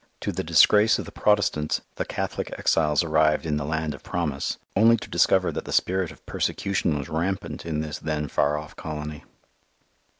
To the disgrace of the Protestants, the Catholic exiles arrived in the "land of promise" only to discover that the spirit of persecution was rampant in this then far off colony.